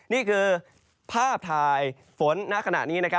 นี่คือภาพถ่ายฝนณขณะนี้